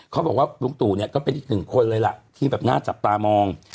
เขาบอกว่าลุงตู่เนี่ยก็เป็นอีกหนึ่งคนเลยล่ะที่แบบน่าจับตามอง